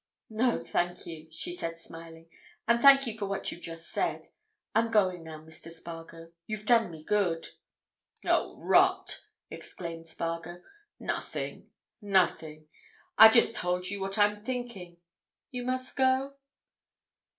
"No, thank you," she said smiling. "And thank you for what you've just said. I'm going now, Mr. Spargo. You've done me good." "Oh, rot!" exclaimed Spargo. "Nothing—nothing! I've just told you what I'm thinking. You must go?